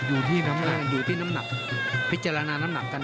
อยู่ที่น้ำแรงอยู่ที่น้ำหนักพิจารณาน้ำหนักกัน